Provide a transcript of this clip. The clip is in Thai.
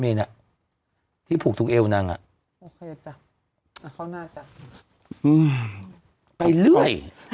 แต่หนูจะเอากับน้องเขามาแต่ว่า